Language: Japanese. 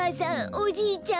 おじいちゃん